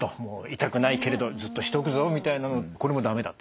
痛くないけれどずっとしておくぞみたいなこれも駄目だと。